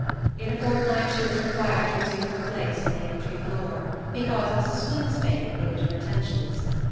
In a fortnight she was required to resume her place on the entry floor, because Mrs. Flint's babe needed her attentions.